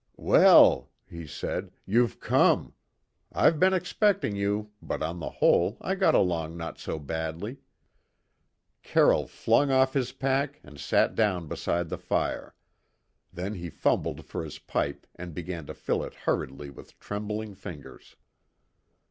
"Well," he said, "you've come. I've been expecting you, but on the whole I got along not so badly." Carroll flung off his pack and sat down beside the fire; then he fumbled for his pipe and began to fill it hurriedly with trembling fingers.